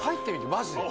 マジで。